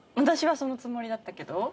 私はそのつもりだったけど？